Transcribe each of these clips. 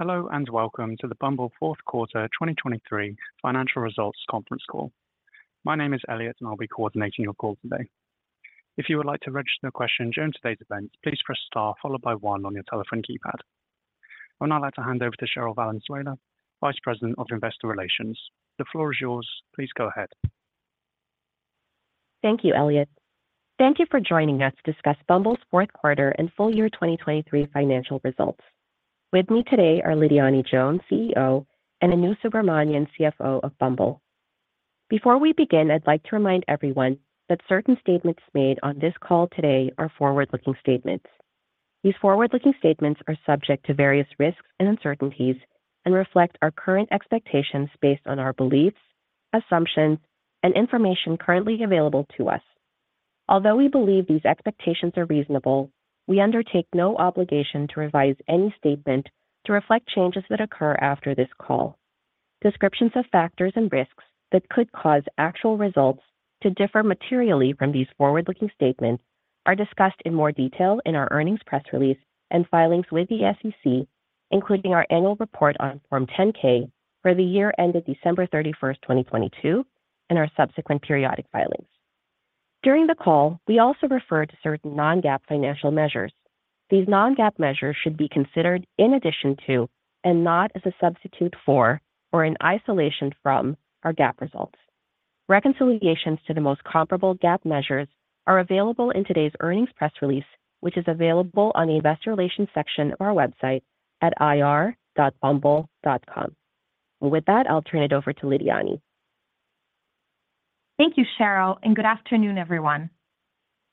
Hello and welcome to the Bumble Fourth Quarter 2023 Financial Results Conference Call. My name is Elliot, and I'll be coordinating your call today. If you would like to register a question during today's events, please press star followed by one on your telephone keypad. I'm now allowed to hand over to Cherryl Valenzuela, Vice President of Investor Relations. The floor is yours. Please go ahead. Thank you, Elliot. Thank you for joining us to discuss Bumble's Fourth Quarter and full year 2023 financial results. With me today are Lidiane Jones, CEO, and Anu Subramanian, CFO of Bumble. Before we begin, I'd like to remind everyone that certain statements made on this call today are forward-looking statements. These forward-looking statements are subject to various risks and uncertainties and reflect our current expectations based on our beliefs, assumptions, and information currently available to us. Although we believe these expectations are reasonable, we undertake no obligation to revise any statement to reflect changes that occur after this call. Descriptions of factors and risks that could cause actual results to differ materially from these forward-looking statements are discussed in more detail in our earnings press release and filings with the SEC, including our annual report on Form 10-K for the year ended December 31st, 2022, and our subsequent periodic filings. During the call, we also refer to certain non-GAAP financial measures. These non-GAAP measures should be considered in addition to and not as a substitute for or in isolation from our GAAP results. Reconciliations to the most comparable GAAP measures are available in today's earnings press release, which is available on the Investor Relations section of our website at ir.bumble.com. With that, I'll turn it over to Lidiane. Thank you, Cherryl, and good afternoon, everyone.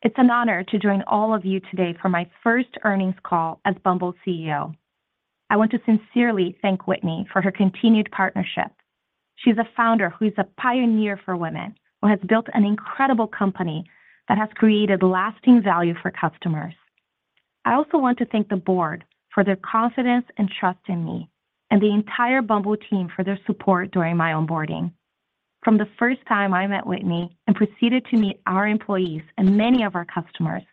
It's an honor to join all of you today for my first earnings call as Bumble's CEO. I want to sincerely thank Whitney for her continued partnership. She's a founder who is a pioneer for women who has built an incredible company that has created lasting value for customers. I also want to thank the Board for their confidence and trust in me, and the entire Bumble team for their support during my onboarding. From the first time I met Whitney and proceeded to meet our employees and many of our customers,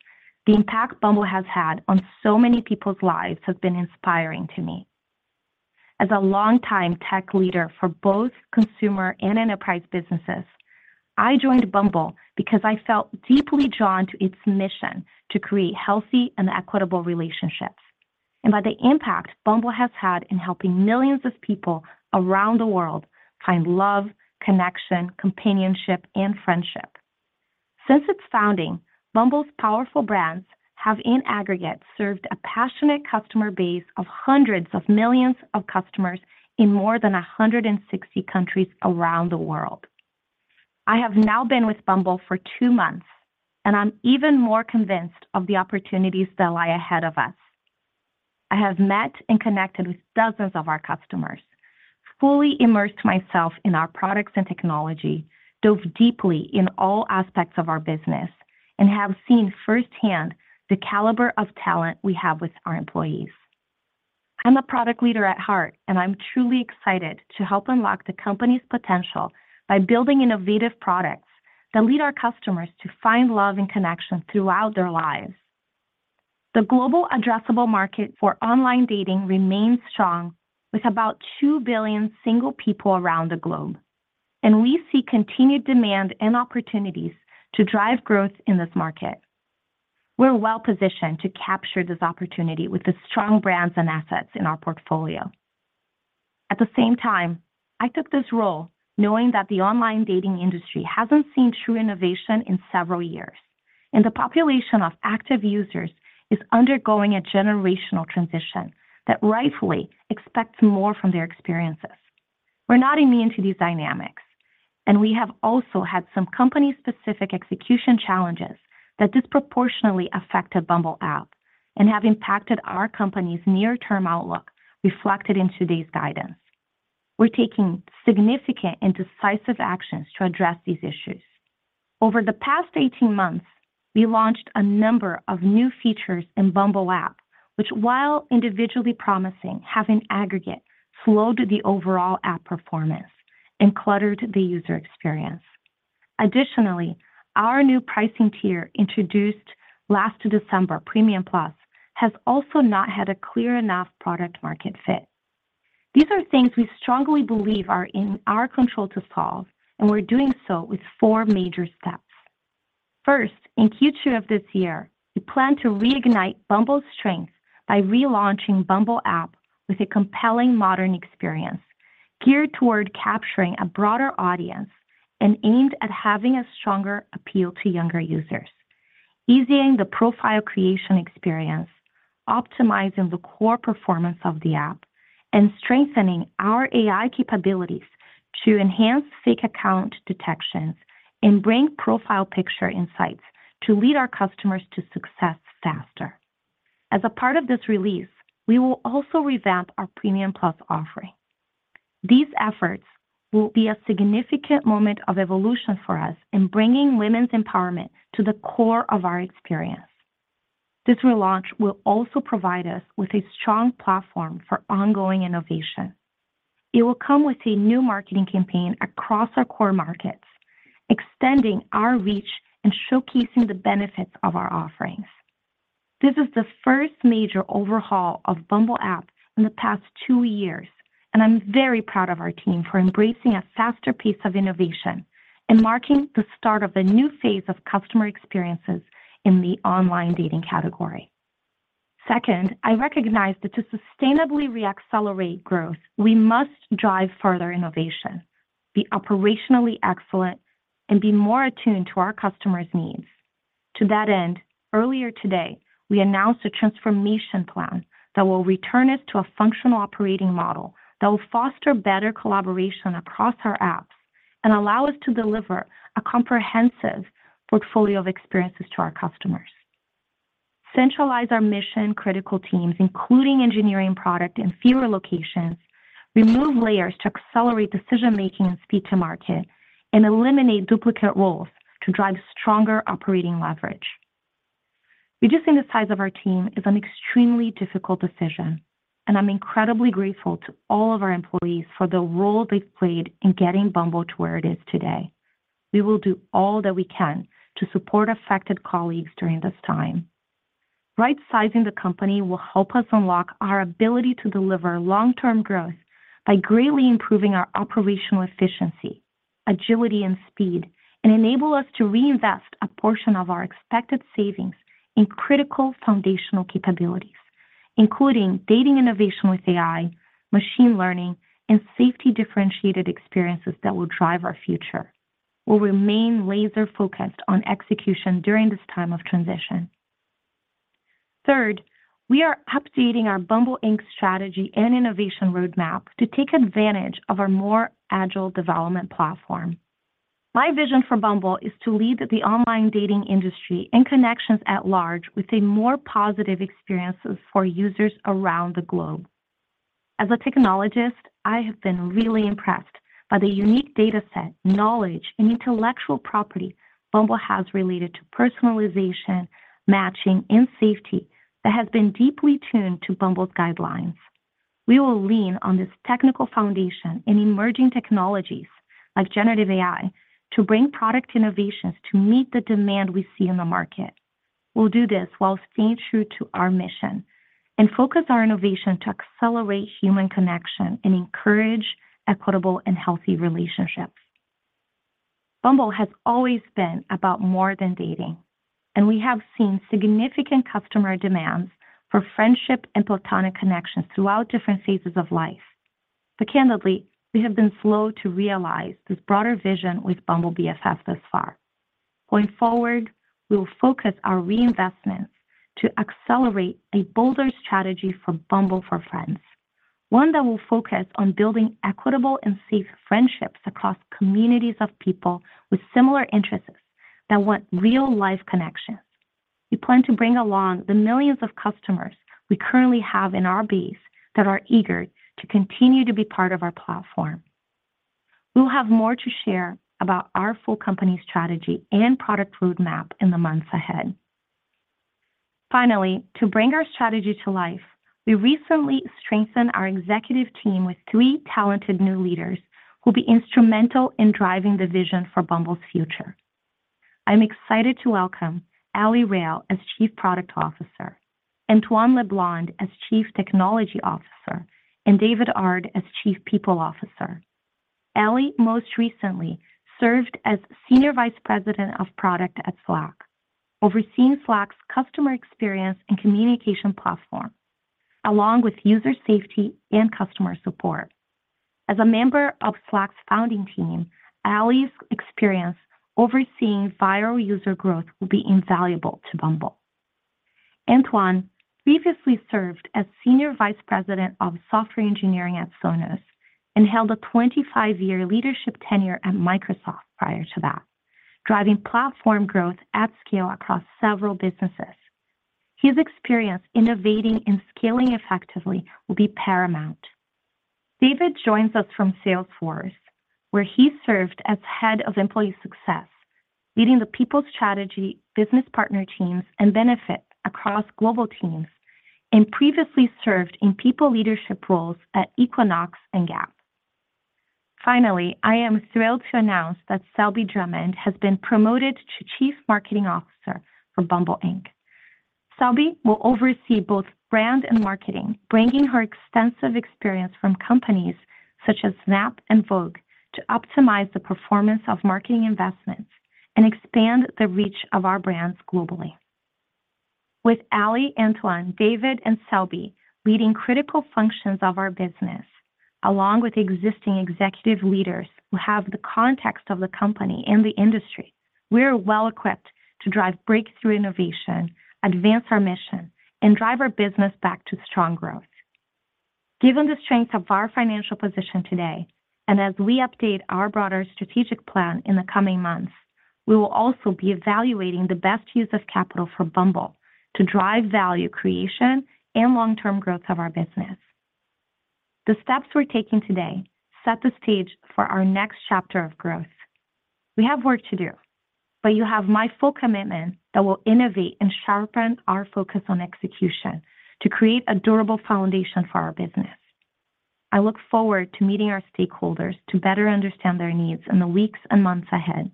the impact Bumble has had on so many people's lives has been inspiring to me. As a long-time tech leader for both consumer and enterprise businesses, I joined Bumble because I felt deeply drawn to its mission to create healthy and equitable relationships and by the impact Bumble has had in helping millions of people around the world find love, connection, companionship, and friendship. Since its founding, Bumble's powerful brands have in aggregate served a passionate customer base of hundreds of millions of customers in more than 160 countries around the world. I have now been with Bumble for 2 months, and I'm even more convinced of the opportunities that lie ahead of us. I have met and connected with dozens of our customers, fully immersed myself in our products and technology, dove deeply in all aspects of our business, and have seen firsthand the caliber of talent we have with our employees. I'm a product leader at heart, and I'm truly excited to help unlock the company's potential by building innovative products that lead our customers to find love and connection throughout their lives. The global addressable market for online dating remains strong with about 2 billion single people around the globe, and we see continued demand and opportunities to drive growth in this market. We're well positioned to capture this opportunity with the strong brands and assets in our portfolio. At the same time, I took this role knowing that the online dating industry hasn't seen true innovation in several years, and the population of active users is undergoing a generational transition that rightfully expects more from their experiences. We're not immune to these dynamics, and we have also had some company-specific execution challenges that disproportionately affected Bumble App and have impacted our company's near-term outlook reflected in today's guidance. We're taking significant and decisive actions to address these issues. Over the past 18 months, we launched a number of new features in Bumble App, which, while individually promising, have in aggregate slowed the overall app performance and cluttered the user experience. Additionally, our new pricing tier introduced last December, Premium Plus, has also not had a clear enough product-market fit. These are things we strongly believe are in our control to solve, and we're doing so with four major steps. First, in Q2 of this year, we plan to reignite Bumble's strength by relaunching Bumble App with a compelling modern experience geared toward capturing a broader audience and aimed at having a stronger appeal to younger users, easing the profile creation experience, optimizing the core performance of the app, and strengthening our AI capabilities to enhance fake account detections and bring profile picture insights to lead our customers to success faster. As a part of this release, we will also revamp our Premium Plus offering. These efforts will be a significant moment of evolution for us in bringing women's empowerment to the core of our experience. This relaunch will also provide us with a strong platform for ongoing innovation. It will come with a new marketing campaign across our core markets, extending our reach and showcasing the benefits of our offerings. This is the first major overhaul of Bumble App in the past two years, and I'm very proud of our team for embracing a faster pace of innovation and marking the start of a new phase of customer experiences in the online dating category. Second, I recognize that to sustainably reaccelerate growth, we must drive further innovation, be operationally excellent, and be more attuned to our customers' needs. To that end, earlier today, we announced a transformation plan that will return us to a functional operating model that will foster better collaboration across our apps and allow us to deliver a comprehensive portfolio of experiences to our customers. Centralize our mission-critical teams, including engineering product in fewer locations, remove layers to accelerate decision-making and speed to market, and eliminate duplicate roles to drive stronger operating leverage. Reducing the size of our team is an extremely difficult decision, and I'm incredibly grateful to all of our employees for the role they've played in getting Bumble to where it is today. We will do all that we can to support affected colleagues during this time. Right-sizing the company will help us unlock our ability to deliver long-term growth by greatly improving our operational efficiency, agility, and speed, and enable us to reinvest a portion of our expected savings in critical foundational capabilities, including dating innovation with AI, machine learning, and safety-differentiated experiences that will drive our future. We'll remain laser-focused on execution during this time of transition. Third, we are updating our Bumble Inc. strategy and innovation roadmap to take advantage of our more agile development platform. My vision for Bumble is to lead the online dating industry and connections at large with more positive experiences for users around the globe. As a technologist, I have been really impressed by the unique dataset, knowledge, and intellectual property Bumble has related to personalization, matching, and safety that has been deeply tuned to Bumble's guidelines. We will lean on this technical foundation and emerging technologies like generative AI to bring product innovations to meet the demand we see in the market. We'll do this while staying true to our mission and focus our innovation to accelerate human connection and encourage equitable and healthy relationships. Bumble has always been about more than dating, and we have seen significant customer demands for friendship and platonic connections throughout different phases of life. But candidly, we have been slow to realize this broader vision with Bumble BFF thus far. Going forward, we will focus our reinvestments to accelerate a bolder strategy for Bumble For Friends, one that will focus on building equitable and safe friendships across communities of people with similar interests that want real-life connections. We plan to bring along the millions of customers we currently have in our base that are eager to continue to be part of our platform. We will have more to share about our full company strategy and product roadmap in the months ahead. Finally, to bring our strategy to life, we recently strengthened our executive team with three talented new leaders who will be instrumental in driving the vision for Bumble's future. I'm excited to welcome Ali Rayl as Chief Product Officer, Antoine Leblond as Chief Technology Officer, and David Ard as Chief People Officer. Ali most recently served as Senior Vice President of Product at Slack, overseeing Slack's customer experience and communication platform, along with user safety and customer support. As a member of Slack's founding team, Ali's experience overseeing viral user growth will be invaluable to Bumble. Antoine previously served as Senior Vice President of Software Engineering at Sonos and held a 25-year leadership tenure at Microsoft prior to that, driving platform growth at scale across several businesses. His experience innovating and scaling effectively will be paramount. David joins us from Salesforce, where he served as Head of Employee Success, leading the People's Strategy Business Partner Teams and benefits across global teams, and previously served in people leadership roles at Equinox and Gap. Finally, I am thrilled to announce that Selby Drummond has been promoted to Chief Marketing Officer for Bumble Inc. Selby will oversee both brand and marketing, bringing her extensive experience from companies such as Snap and Vogue to optimize the performance of marketing investments and expand the reach of our brands globally. With Ali, Antoine, David, and Selby leading critical functions of our business, along with existing executive leaders who have the context of the company and the industry, we are well-equipped to drive breakthrough innovation, advance our mission, and drive our business back to strong growth. Given the strength of our financial position today and as we update our broader strategic plan in the coming months, we will also be evaluating the best use of capital for Bumble to drive value creation and long-term growth of our business. The steps we're taking today set the stage for our next chapter of growth. We have work to do, but you have my full commitment that we'll innovate and sharpen our focus on execution to create a durable foundation for our business. I look forward to meeting our stakeholders to better understand their needs in the weeks and months ahead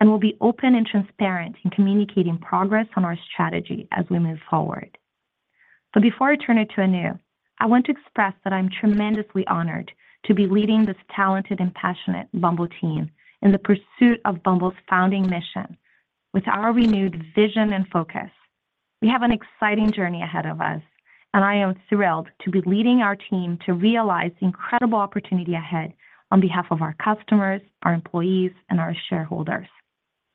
and will be open and transparent in communicating progress on our strategy as we move forward. But before I turn it to Anu, I want to express that I'm tremendously honored to be leading this talented and passionate Bumble team in the pursuit of Bumble's founding mission. With our renewed vision and focus, we have an exciting journey ahead of us, and I am thrilled to be leading our team to realize the incredible opportunity ahead on behalf of our customers, our employees,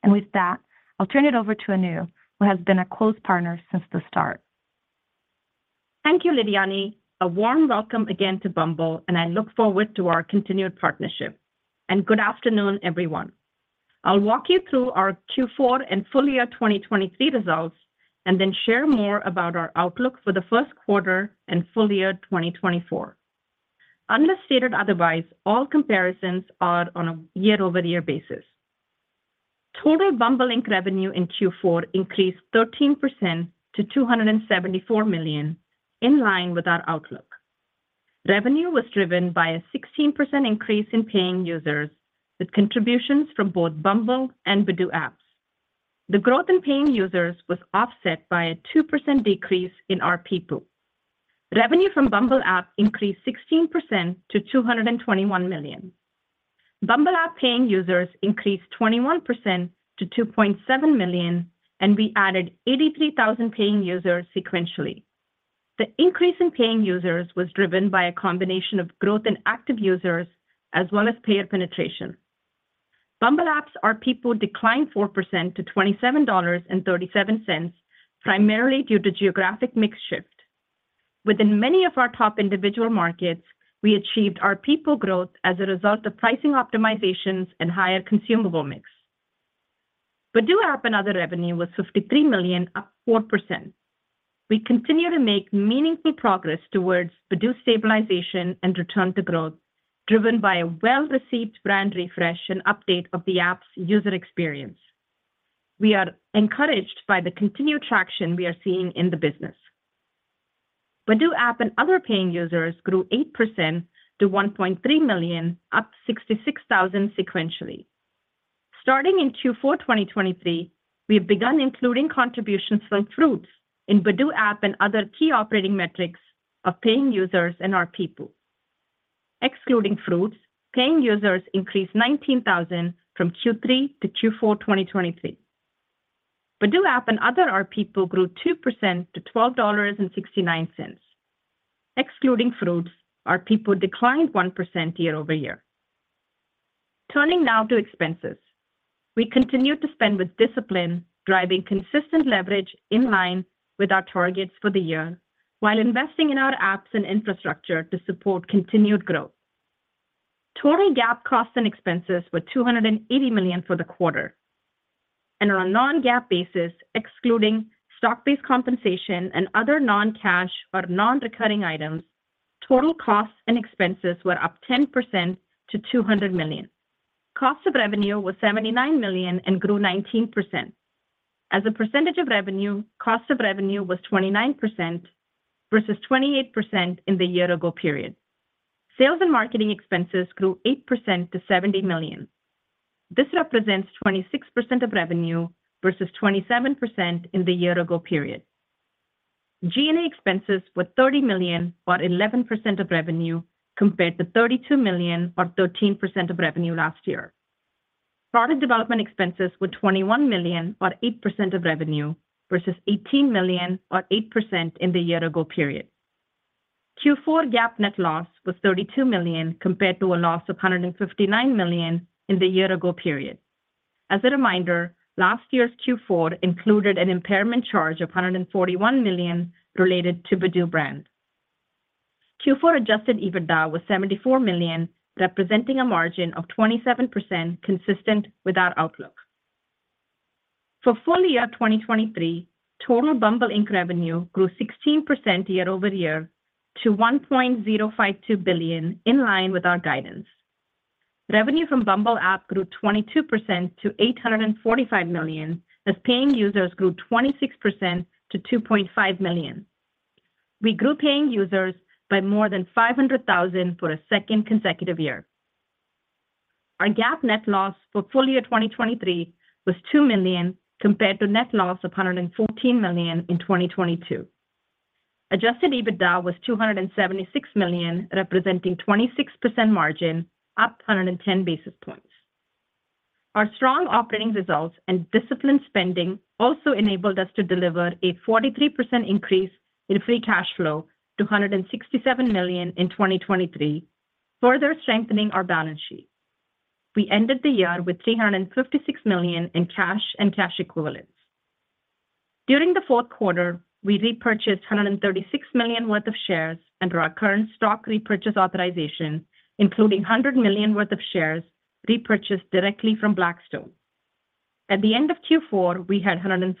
and our shareholders. And with that, I'll turn it over to Anu, who has been a close partner since the start. Thank you, Lidiane. A warm welcome again to Bumble, and I look forward to our continued partnership. And good afternoon, everyone. I'll walk you through our Q4 and full year 2023 results and then share more about our outlook for the first quarter and full year 2024. Unless stated otherwise, all comparisons are on a year-over-year basis. Total Bumble Inc. revenue in Q4 increased 13% to $274 million, in line with our outlook. Revenue was driven by a 16% increase in paying users with contributions from both Bumble and Badoo apps. The growth in paying users was offset by a 2% decrease in RP pool. Revenue from Bumble App increased 16% to $221 million. Bumble App paying users increased 21% to 2.7 million, and we added 83,000 paying users sequentially. The increase in paying users was driven by a combination of growth in active users as well as payer penetration. Bumble App's RP pool declined 4% to $27.37, primarily due to geographic mix shift. Within many of our top individual markets, we achieved RP pool growth as a result of pricing optimizations and higher consumable mix. Badoo app and other revenue was $53 million, up 4%. We continue to make meaningful progress towards Badoo stabilization and return to growth, driven by a well-received brand refresh and update of the app's user experience. We are encouraged by the continued traction we are seeing in the business. Badoo app and other paying users grew 8% to 1.3 million, up 66,000 sequentially. Starting in Q4 2023, we have begun including contributions from Fruitz in Badoo app and other key operating metrics of paying users and RP pool. Excluding Fruitz, paying users increased 19,000 from Q3 to Q4 2023. Badoo app and other RP pool grew 2% to $12.69. Excluding Fruitz, RP pool declined 1% year-over-year. Turning now to expenses, we continue to spend with discipline, driving consistent leverage in line with our targets for the year while investing in our apps and infrastructure to support continued growth. Total GAAP costs and expenses were $280 million for the quarter. On a non-GAAP basis, excluding stock-based compensation and other non-cash or non-recurring items, total costs and expenses were up 10% to $200 million. Cost of revenue was $79 million and grew 19%. As a percentage of revenue, cost of revenue was 29% versus 28% in the year-ago period. Sales and marketing expenses grew 8% to $70 million. This represents 26% of revenue versus 27% in the year-ago period. G&A expenses were $30 million or 11% of revenue compared to $32 million or 13% of revenue last year. Product development expenses were $21 million or 8% of revenue versus $18 million or 8% in the year-ago period. Q4 GAAP net loss was $32 million compared to a loss of $159 million in the year-ago period. As a reminder, last year's Q4 included an impairment charge of $141 million related to Badoo brand. Q4 Adjusted EBITDA was $74 million, representing a margin of 27% consistent with our outlook. For full year 2023, total Bumble Inc. revenue grew 16% year-over-year to $1.052 billion, in line with our guidance. Revenue from Bumble app grew 22% to $845 million as paying users grew 26% to 2.5 million. We grew paying users by more than 500,000 for a second consecutive year. Our GAAP net loss for full year 2023 was $2 million compared to net loss of $114 million in 2022. Adjusted EBITDA was $276 million, representing 26% margin, up 110 basis points. Our strong operating results and disciplined spending also enabled us to deliver a 43% increase in free cash flow to $167 million in 2023, further strengthening our balance sheet. We ended the year with $356 million in cash and cash equivalents. During the fourth quarter, we repurchased $136 million worth of shares and, through our current stock repurchase authorization, including $100 million worth of shares, repurchased directly from Blackstone. At the end of Q4, we had $143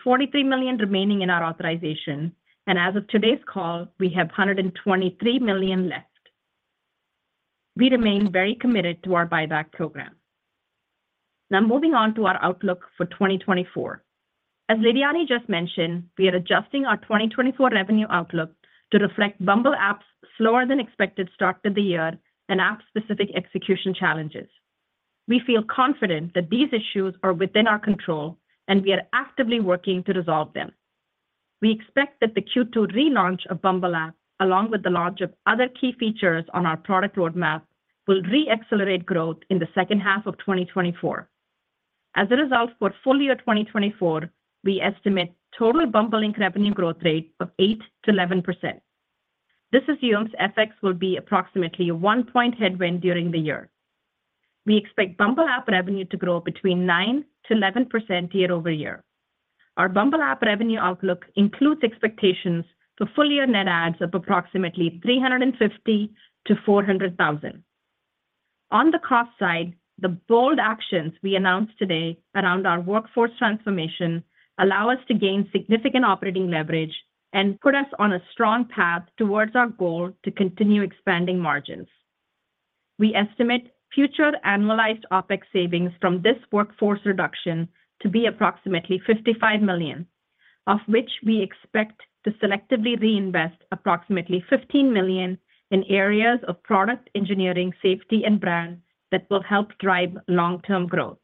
million remaining in our authorization, and as of today's call, we have $123 million left. We remain very committed to our buyback program. Now, moving on to our outlook for 2024. As Lidiane just mentioned, we are adjusting our 2024 revenue outlook to reflect Bumble app's slower-than-expected start to the year and app-specific execution challenges. We feel confident that these issues are within our control, and we are actively working to resolve them. We expect that the Q2 relaunch of Bumble app, along with the launch of other key features on our product roadmap, will re-accelerate growth in the second half of 2024. As a result, for full year 2024, we estimate total Bumble Inc. revenue growth rate of 8% to 11%. This assumes FX will be approximately a 1-point headwind during the year. We expect Bumble app revenue to grow between 9% to 11% year-over-year. Our Bumble app revenue outlook includes expectations for full year net adds of approximately 350,000 to 400,000. On the cost side, the bold actions we announced today around our workforce transformation allow us to gain significant operating leverage and put us on a strong path towards our goal to continue expanding margins. We estimate future annualized OpEx savings from this workforce reduction to be approximately $55 million, of which we expect to selectively reinvest approximately $15 million in areas of product engineering, safety, and brand that will help drive long-term growth.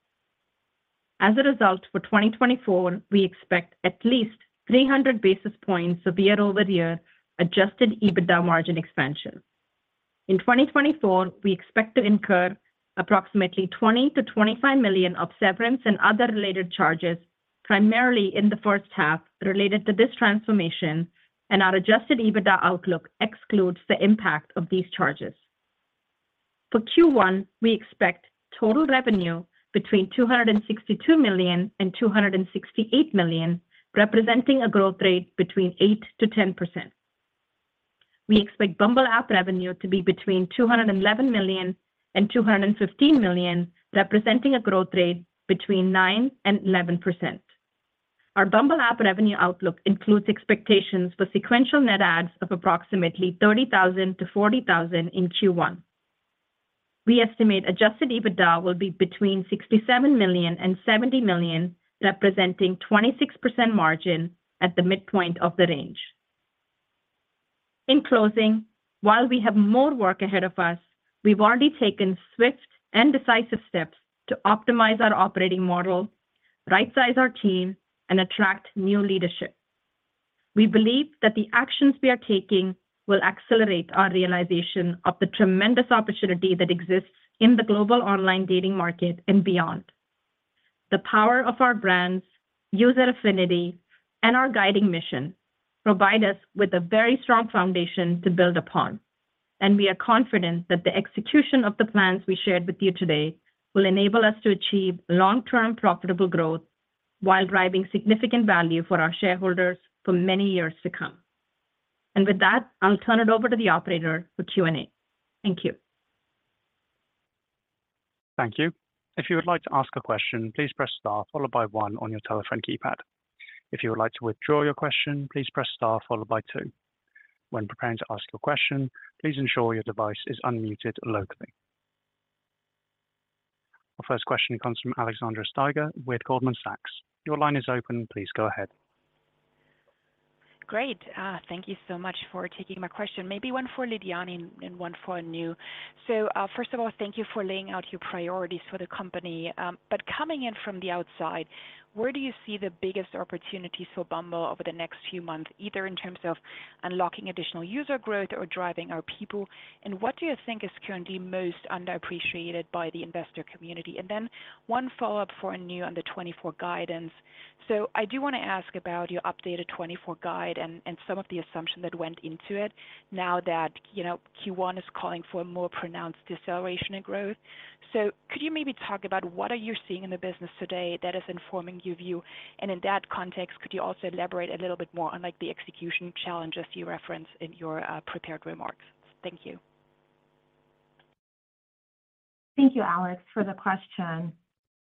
As a result, for 2024, we expect at least 300 basis points of year-over-year adjusted EBITDA margin expansion. In 2024, we expect to incur approximately $20 to $25 million of severance and other related charges, primarily in the first half related to this transformation, and our adjusted EBITDA outlook excludes the impact of these charges. For Q1, we expect total revenue between $262 million to $268 million, representing a growth rate between 8% to 10%. We expect Bumble app revenue to be between $211 million to $215 million, representing a growth rate between 9% to 11%. Our Bumble app revenue outlook includes expectations for sequential net adds of approximately 30,000 to 40,000 in Q1. We estimate Adjusted EBITDA will be between $67 million and $70 million, representing 26% margin at the midpoint of the range. In closing, while we have more work ahead of us, we've already taken swift and decisive steps to optimize our operating model, right-size our team, and attract new leadership. We believe that the actions we are taking will accelerate our realization of the tremendous opportunity that exists in the global online dating market and beyond. The power of our brands, user affinity, and our guiding mission provide us with a very strong foundation to build upon, and we are confident that the execution of the plans we shared with you today will enable us to achieve long-term profitable growth while driving significant value for our shareholders for many years to come. With that, I'll turn it over to the operator for Q&A. Thank you. Thank you. If you would like to ask a question, please press Start followed by one on your telephone keypad. If you would like to withdraw your question, please press Start followed by by. When preparing to ask your question, please ensure your device is unmuted locally. Our first question comes from Alexandra Steiger with Goldman Sachs. Your line is open. Please go ahead. Great. Thank you so much for taking my question. Maybe one for Lidiane and one for Anu. So first of all, thank you for laying out your priorities for the company. But coming in from the outside, where do you see the biggest opportunities for Bumble over the next few months, either in terms of unlocking additional user growth or driving RP pool? And what do you think is currently most underappreciated by the investor community? And then one follow-up for Anu on the 2024 guidance. So I do want to ask about your updated 2024 guide and some of the assumption that went into it now that Q1 is calling for a more pronounced deceleration in growth. So could you maybe talk about what are you seeing in the business today that is informing your view? In that context, could you also elaborate a little bit more on the execution challenges you referenced in your prepared remarks? Thank you. Thank you, Alex, for the question.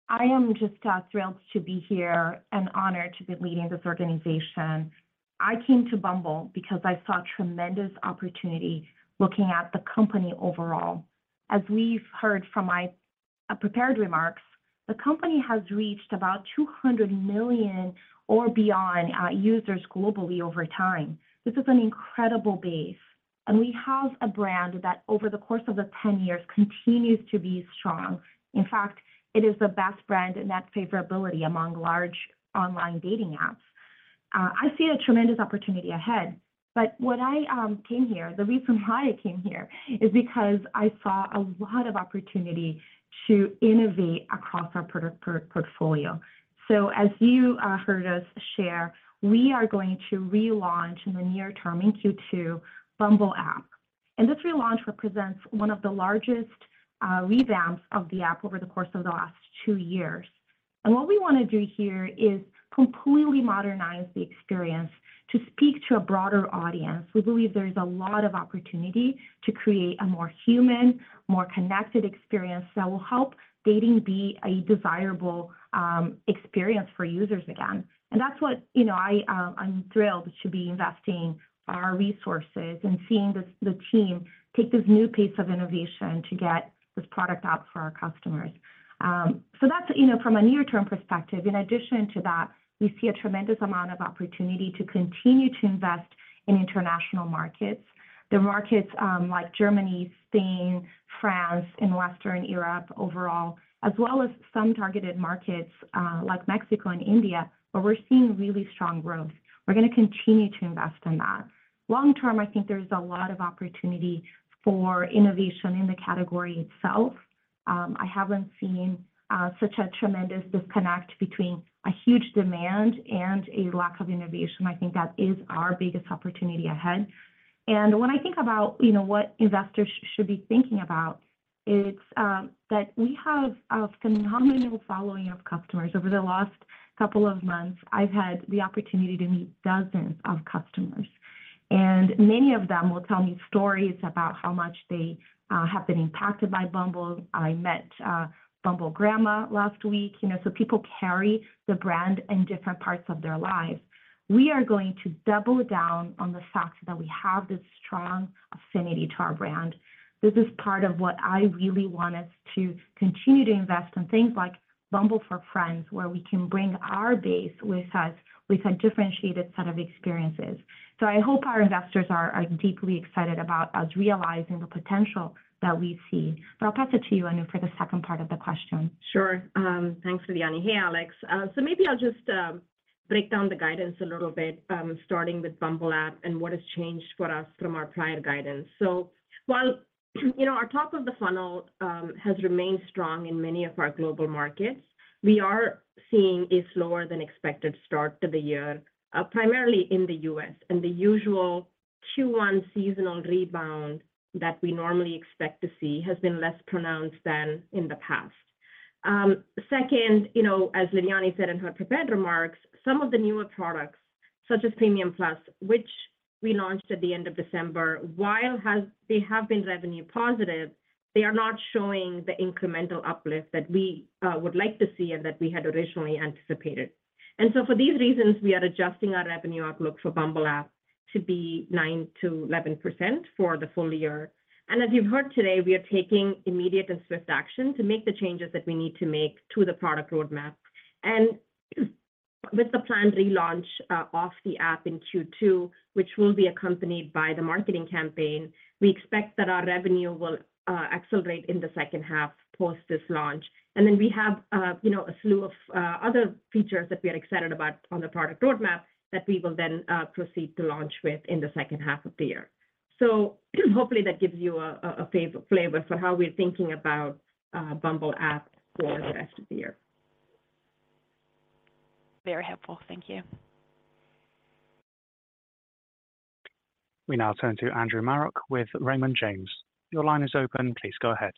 I am just thrilled to be here and honored to be leading this organization. I came to Bumble because I saw tremendous opportunity looking at the company overall. As we've heard from my prepared remarks, the company has reached about 200 million or beyond users globally over time. This is an incredible base. And we have a brand that, over the course of the 10 years, continues to be strong. In fact, it is the best brand in net favorability among large online dating apps. I see a tremendous opportunity ahead. But when I came here, the reason why I came here is because I saw a lot of opportunity to innovate across our portfolio. So as you heard us share, we are going to relaunch in the near term, in Q2, Bumble app. This relaunch represents one of the largest revamps of the app over the course of the last two years. What we want to do here is completely modernize the experience to speak to a broader audience. We believe there is a lot of opportunity to create a more human, more connected experience that will help dating be a desirable experience for users again. That's what I'm thrilled to be investing our resources in, seeing the team take this new pace of innovation to get this product out for our customers. That's from a near-term perspective. In addition to that, we see a tremendous amount of opportunity to continue to invest in international markets, the markets like Germany, Spain, France, and Western Europe overall, as well as some targeted markets like Mexico and India, where we're seeing really strong growth. We're going to continue to invest in that. Long term, I think there is a lot of opportunity for innovation in the category itself. I haven't seen such a tremendous disconnect between a huge demand and a lack of innovation. I think that is our biggest opportunity ahead. And when I think about what investors should be thinking about, it's that we have a phenomenal following of customers. Over the last couple of months, I've had the opportunity to meet dozens of customers. And many of them will tell me stories about how much they have been impacted by Bumble. I met Bumble Grandma last week. So people carry the brand in different parts of their lives. We are going to double down on the fact that we have this strong affinity to our brand. This is part of what I really want us to continue to invest in, things like Bumble For Friends, where we can bring our base with a differentiated set of experiences. So I hope our investors are deeply excited about us realizing the potential that we see. But I'll pass it to you, Anu, for the second part of the question. Sure. Thanks, Lidiane. Hey, Alex. So maybe I'll just break down the guidance a little bit, starting with Bumble App and what has changed for us from our prior guidance. So while our top of the funnel has remained strong in many of our global markets, we are seeing a slower-than-expected start to the year, primarily in the US. And the usual Q1 seasonal rebound that we normally expect to see has been less pronounced than in the past. Second, as Lidiane said in her prepared remarks, some of the newer products, such as Premium Plus, which we launched at the end of December, while they have been revenue positive, they are not showing the incremental uplift that we would like to see and that we had originally anticipated. For these reasons, we are adjusting our revenue outlook for Bumble app to be 9%-11% for the full year. As you've heard today, we are taking immediate and swift action to make the changes that we need to make to the product roadmap. With the planned relaunch of the app in Q2, which will be accompanied by the marketing campaign, we expect that our revenue will accelerate in the second half post this launch. Then we have a slew of other features that we are excited about on the product roadmap that we will then proceed to launch within the second half of the year. Hopefully, that gives you a flavor for how we're thinking about Bumble app for the rest of the year. Very helpful. Thank you. We now turn to Andrew Marok with Raymond James. Your line is open. Please go ahead.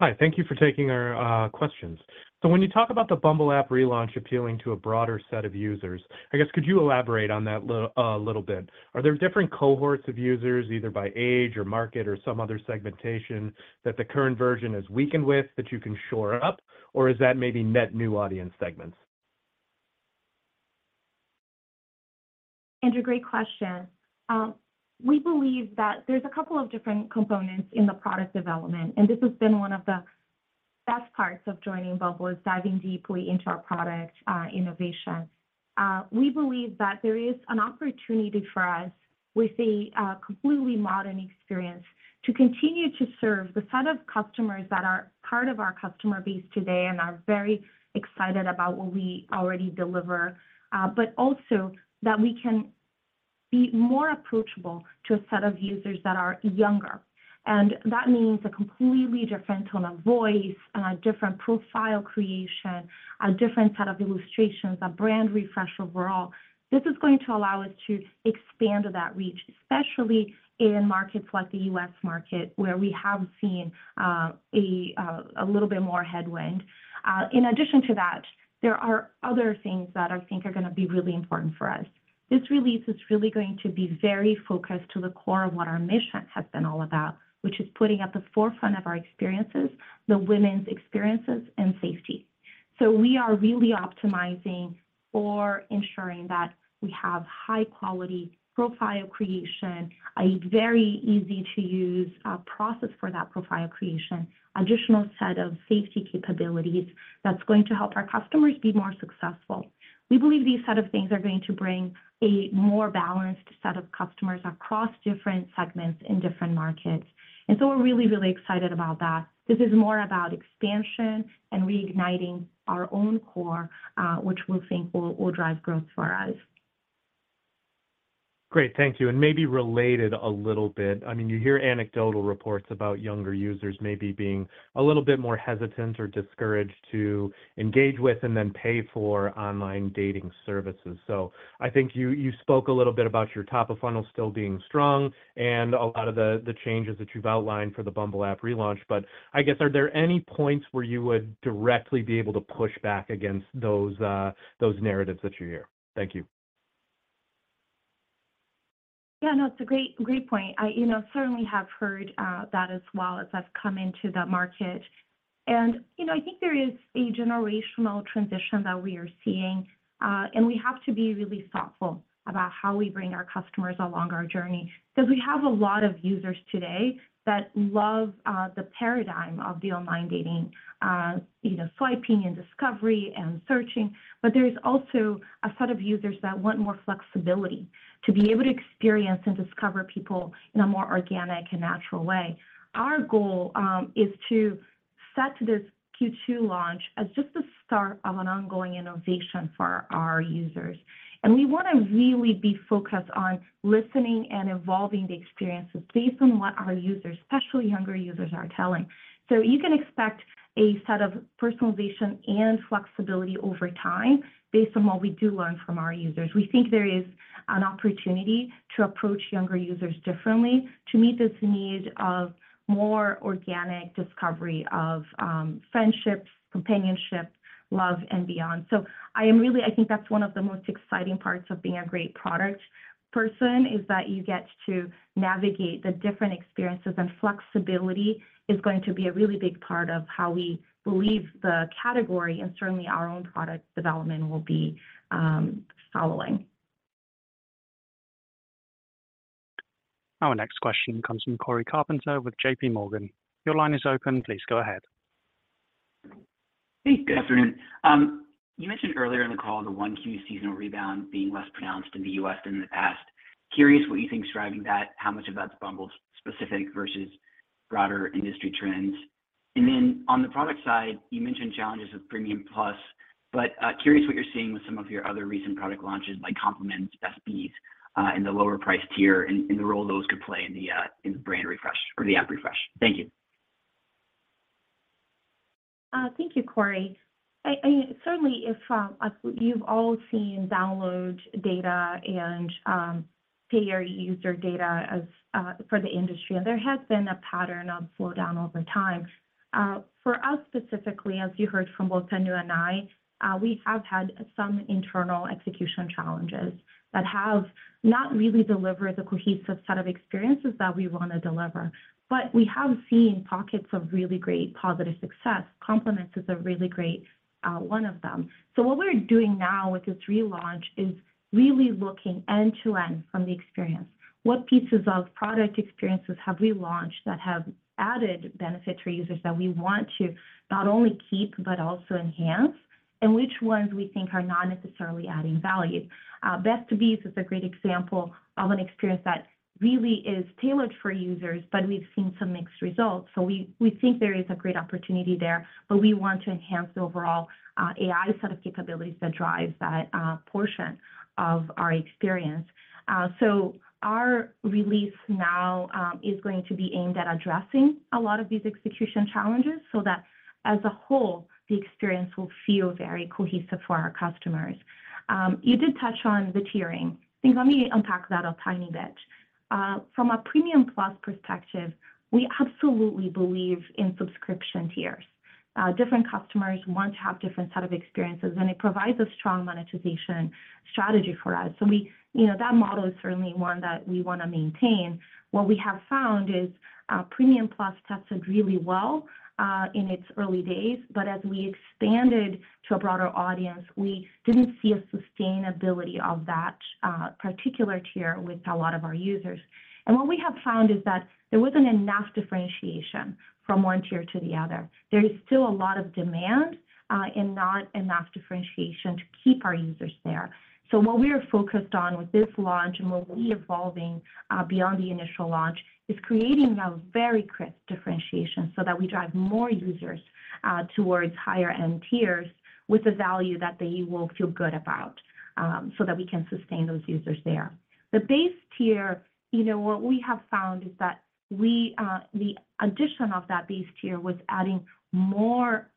Hi. Thank you for taking our questions. When you talk about the Bumble app relaunch appealing to a broader set of users, I guess, could you elaborate on that a little bit? Are there different cohorts of users, either by age or market or some other segmentation, that the current version is weakened with that you can shore up, or is that maybe net new audience segments? Andrew, great question. We believe that there's a couple of different components in the product development. This has been one of the best parts of joining Bumble, is diving deeply into our product innovation. We believe that there is an opportunity for us with a completely modern experience to continue to serve the set of customers that are part of our customer base today and are very excited about what we already deliver, but also that we can be more approachable to a set of users that are younger. That means a completely different tone of voice, a different profile creation, a different set of illustrations, a brand refresh overall. This is going to allow us to expand that reach, especially in markets like the US market, where we have seen a little bit more headwind. In addition to that, there are other things that I think are going to be really important for us. This release is really going to be very focused to the core of what our mission has been all about, which is putting at the forefront of our experiences the women's experiences and safety. So we are really optimizing for ensuring that we have high-quality profile creation, a very easy-to-use process for that profile creation, an additional set of safety capabilities that's going to help our customers be more successful. We believe these set of things are going to bring a more balanced set of customers across different segments in different markets. And so we're really, really excited about that. This is more about expansion and reigniting our own core, which we think will drive growth for us. Great. Thank you. And maybe related a little bit, I mean, you hear anecdotal reports about younger users maybe being a little bit more hesitant or discouraged to engage with and then pay for online dating services. So I think you spoke a little bit about your top of funnel still being strong and a lot of the changes that you've outlined for the Bumble app relaunch. But I guess, are there any points where you would directly be able to push back against those narratives that you hear? Thank you. Yeah. No, it's a great point. I certainly have heard that as well as I've come into the market. And I think there is a generational transition that we are seeing. And we have to be really thoughtful about how we bring our customers along our journey because we have a lot of users today that love the paradigm of the online dating, swiping and discovery and searching. But there's also a set of users that want more flexibility to be able to experience and discover people in a more organic and natural way. Our goal is to set this Q2 launch as just the start of an ongoing innovation for our users. And we want to really be focused on listening and evolving the experiences based on what our users, especially younger users, are telling. So you can expect a set of personalization and flexibility over time based on what we do learn from our users. We think there is an opportunity to approach younger users differently, to meet this need of more organic discovery of friendships, companionship, love, and beyond. So I think that's one of the most exciting parts of being a great product person, is that you get to navigate the different experiences. And flexibility is going to be a really big part of how we believe the category and certainly our own product development will be following. Our next question comes from Cory Carpenter with JPMorgan. Your line is open. Please go ahead. Hey, good afternoon. You mentioned earlier in the call the Q1 seasonal rebound being less pronounced in the US. than in the past. Curious what you think's driving that, how much of that's Bumble-specific versus broader industry trends. And then on the product side, you mentioned challenges with Premium Plus, but curious what you're seeing with some of your other recent product launches like Compliments, Best Bees, in the lower-price tier and the role those could play in the brand refresh or the app refresh. Thank you. Thank you, Cory. Certainly, you've all seen download data and payer user data for the industry. There has been a pattern of slowdown over time. For us specifically, as you heard from both Anu and I, we have had some internal execution challenges that have not really delivered the cohesive set of experiences that we want to deliver. We have seen pockets of really great positive success. Compliments is a really great one of them. What we're doing now with this relaunch is really looking end-to-end from the experience. What pieces of product experiences have we launched that have added benefit for users that we want to not only keep but also enhance, and which ones we think are not necessarily adding value? Best Bees is a great example of an experience that really is tailored for users, but we've seen some mixed results. So we think there is a great opportunity there, but we want to enhance the overall AI set of capabilities that drives that portion of our experience. So our release now is going to be aimed at addressing a lot of these execution challenges so that, as a whole, the experience will feel very cohesive for our customers. You did touch on the tiering. I think let me unpack that a tiny bit. From a Premium Plus perspective, we absolutely believe in subscription tiers. Different customers want to have different set of experiences, and it provides a strong monetization strategy for us. So that model is certainly one that we want to maintain. What we have found is Premium Plus tested really well in its early days. But as we expanded to a broader audience, we didn't see a sustainability of that particular tier with a lot of our users. What we have found is that there wasn't enough differentiation from one tier to the other. There is still a lot of demand and not enough differentiation to keep our users there. So what we are focused on with this launch and what we are evolving beyond the initial launch is creating a very crisp differentiation so that we drive more users towards higher-end tiers with a value that they will feel good about so that we can sustain those users there. The base tier, what we have found is that the addition of that base tier was adding more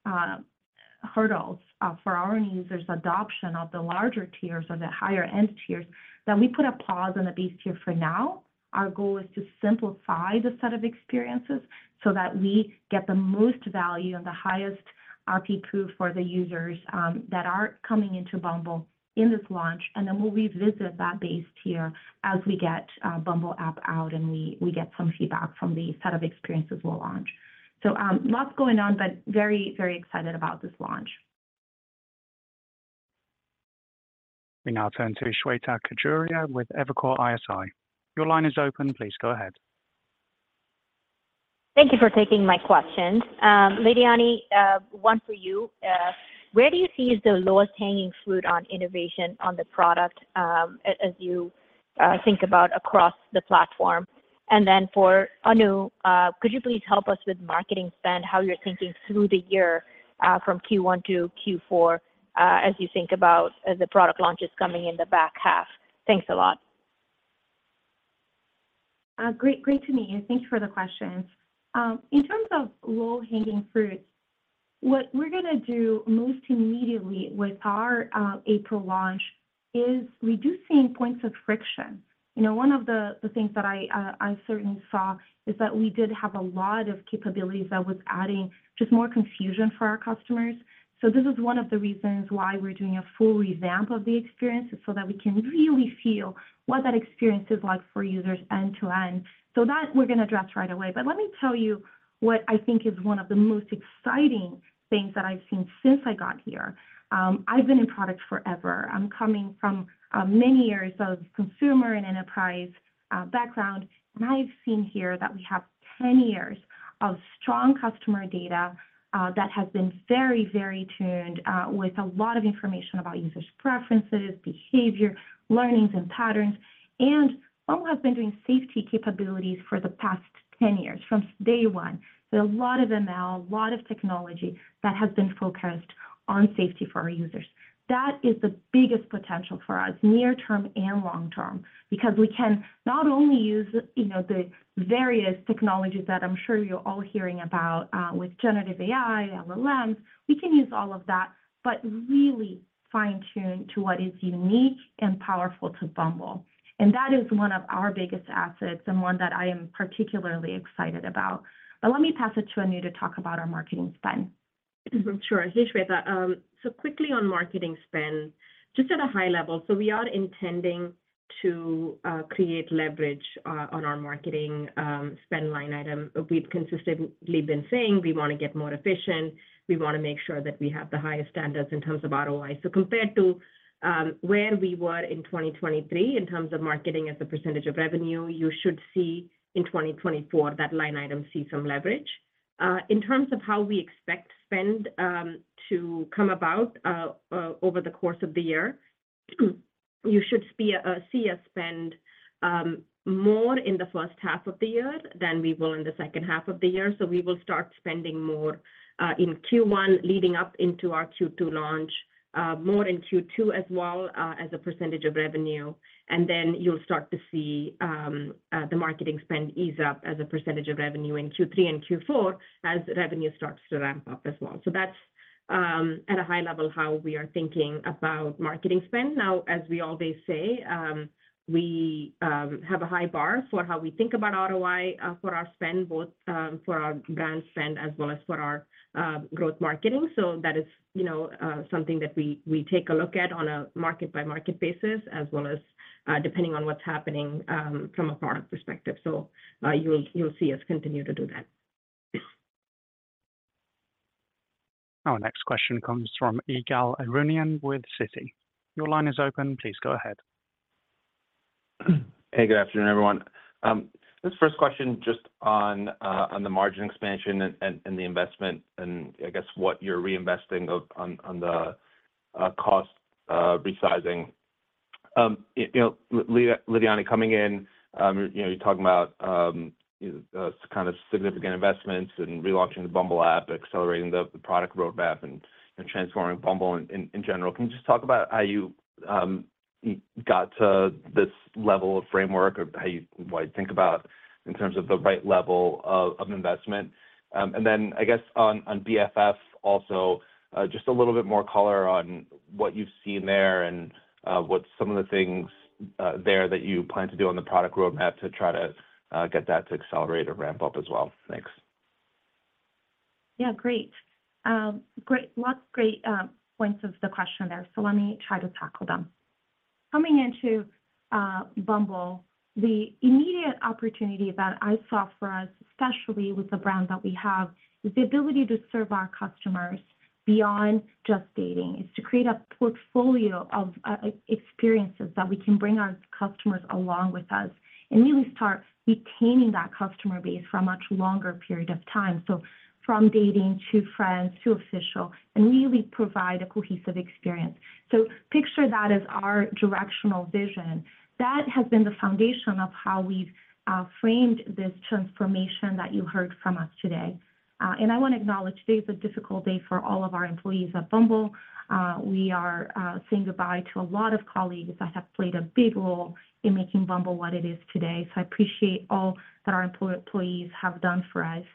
hurdles for our own users' adoption of the larger tiers or the higher-end tiers. That we put a pause on the base tier for now. Our goal is to simplify the set of experiences so that we get the most value and the highest RP pool for the users that are coming into Bumble in this launch. And then we'll revisit that base tier as we get Bumble app out and we get some feedback from the set of experiences we'll launch. So lots going on, but very, very excited about this launch. We now turn to Shweta Khajuria with Evercore ISI. Your line is open. Please go ahead. Thank you for taking my questions. Lidiane, one for you. Where do you see is the lowest hanging fruit on innovation on the product as you think about across the platform? And then for Anu, could you please help us with marketing spend, how you're thinking through the year from Q1 to Q4 as you think about the product launches coming in the back half? Thanks a lot. Great to meet you. Thank you for the questions. In terms of low-hanging fruits, what we're going to do most immediately with our April launch is reducing points of friction. One of the things that I certainly saw is that we did have a lot of capabilities that was adding just more confusion for our customers. So this is one of the reasons why we're doing a full revamp of the experiences so that we can really feel what that experience is like for users end-to-end. So that we're going to address right away. But let me tell you what I think is one of the most exciting things that I've seen since I got here. I've been in product forever. I'm coming from many years of consumer and enterprise background. And I've seen here that we have 10 years of strong customer data that has been very, very tuned with a lot of information about users' preferences, behavior, learnings, and patterns. And Bumble has been doing safety capabilities for the past 10 years from day one. So a lot of ML, a lot of technology that has been focused on safety for our users. That is the biggest potential for us near-term and long-term because we can not only use the various technologies that I'm sure you're all hearing about with generative AI, LLMs, we can use all of that but really fine-tune to what is unique and powerful to Bumble. And that is one of our biggest assets and one that I am particularly excited about. But let me pass it to Anu to talk about our marketing spend. Sure. Hey, Shweta. So quickly on marketing spend, just at a high level, so we are intending to create leverage on our marketing spend line item. We've consistently been saying we want to get more efficient. We want to make sure that we have the highest standards in terms of ROI. So compared to where we were in 2023 in terms of marketing as a percentage of revenue, you should see in 2024 that line item see some leverage. In terms of how we expect spend to come about over the course of the year, you should see a spend more in the first half of the year than we will in the second half of the year. So we will start spending more in Q1 leading up into our Q2 launch, more in Q2 as well as a percentage of revenue. And then you'll start to see the marketing spend ease up as a percentage of revenue in Q3 and Q4 as revenue starts to ramp up as well. So that's, at a high level, how we are thinking about marketing spend. Now, as we always say, we have a high bar for how we think about ROI for our spend, both for our brand spend as well as for our growth marketing. So that is something that we take a look at on a market-by-market basis as well as depending on what's happening from a product perspective. So you'll see us continue to do that. Our next question comes from Ygal Arounian with Citi. Your line is open. Please go ahead. Hey, good afternoon, everyone. This first question just on the margin expansion and the investment and I guess what you're reinvesting on the cost resizing. Lidiane coming in, you're talking about kind of significant investments and relaunching the Bumble app, accelerating the product roadmap, and transforming Bumble in general. Can you just talk about how you got to this level of framework or what I think about in terms of the right level of investment? And then I guess on BFF also, just a little bit more color on what you've seen there and what's some of the things there that you plan to do on the product roadmap to try to get that to accelerate or ramp up as well. Thanks. Yeah, great. Lots of great points of the question there. So let me try to tackle them. Coming into Bumble, the immediate opportunity that I saw for us, especially with the brand that we have, is the ability to serve our customers beyond just dating. It's to create a portfolio of experiences that we can bring our customers along with us and really start retaining that customer base for a much longer period of time. So from dating to friends to Official and really provide a cohesive experience. So picture that as our directional vision. That has been the foundation of how we've framed this transformation that you heard from us today. And I want to acknowledge today is a difficult day for all of our employees at Bumble. We are saying goodbye to a lot of colleagues that have played a big role in making Bumble what it is today. So I appreciate all that our employees have done for us.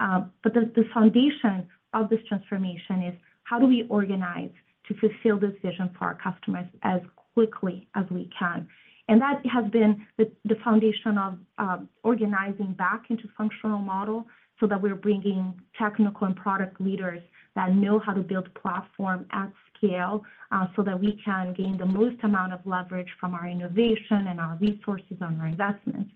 But the foundation of this transformation is how do we organize to fulfill this vision for our customers as quickly as we can? That has been the foundation of organizing back into functional model so that we're bringing technical and product leaders that know how to build platform at scale so that we can gain the most amount of leverage from our innovation and our resources on our investments.